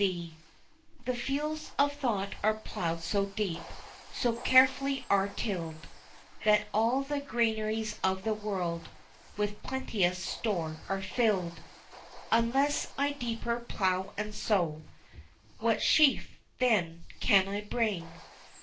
A Resolve. THE fields of thought are plowed so deep, So carefully are tilled, That all the granaries of the world With plenteous store are filled. Unless I deeper plow and sow, What sheaf, then, can I bring?